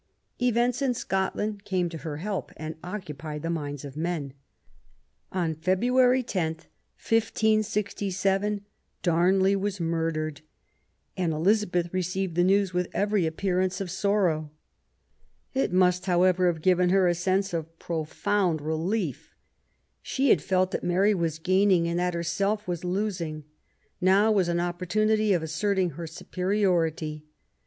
Events in Scotland came to her help and occupied the minds of men. On February lo, 1567, Darnley was murdered, and Elizabeth received the news with every appearance of sorrow. It must, however, have given her a sense of profound relief. She had felt that Mary was gaining and that herself was losing. ELIZABETH APfD MARY STUART. ^ Now was an opportunity of asserting her superiority.